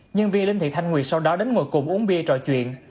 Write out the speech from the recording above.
nhân viên linh thị thanh nguyệt sau đó đến ngồi cùng uống bia trò chuyện